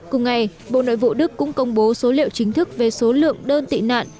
cùng ngày bộ nội vụ đức cũng công bố số liệu chính thức về số lượng đơn tị nạn